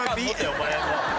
お前も。